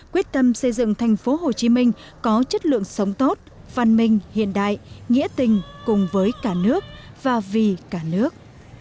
quyết tâm xây dựng tp hcm có chất lượng sống tốt văn minh hiện đại nghĩa tình cùng với cả nước và vì cả nước